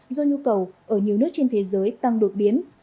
do nhu cầu ở nhiều nước trên thế giới tăng đột biến